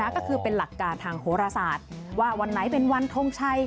ก็คือเป็นหลักการทางโหรศาสตร์ว่าวันไหนเป็นวันทงชัย